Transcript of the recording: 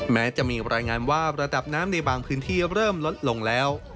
แม้จะมีรายงานว่าระดับน้ำในบางพื้นที่เริ่มลดลงแล้ว